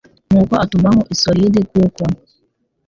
nuko atumaho Isolde kuko